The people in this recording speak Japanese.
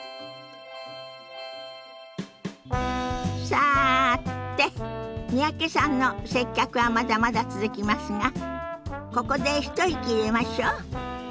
さて三宅さんの接客はまだまだ続きますがここで一息入れましょ。